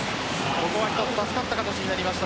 ここは一つ助かった形になった。